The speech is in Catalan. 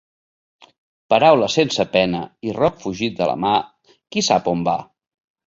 Paraula sense pena i roc fugit de la mà, qui sap a on va!